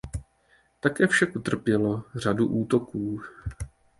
Také však utrpělo řadu útoků.